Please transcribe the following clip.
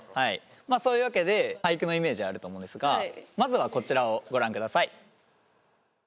まあそういうわけで俳句のイメージあると思うんですがまずはこちらをご覧ください。